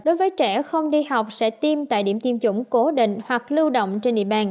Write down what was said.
đối với trẻ không đi học sẽ tiêm tại điểm tiêm chủng cố định hoặc lưu động trên địa bàn